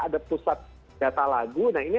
ada pusat data lagu nah ini